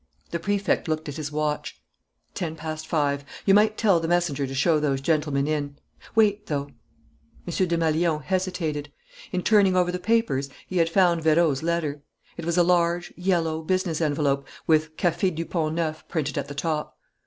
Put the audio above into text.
The Prefect looked at his watch. "Ten past five. You might tell the messenger to show those gentlemen in.... Wait, though " M. Desmalions hesitated. In turning over the papers he had found Vérot's letter. It was a large, yellow, business envelope, with "Café du Pont Neuf" printed at the top.